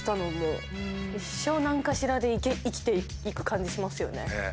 一生何かしらで生きていく感じしますよね。